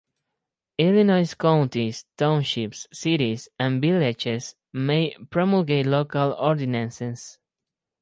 Illinois counties, townships, cities, and villages may promulgate local ordinances.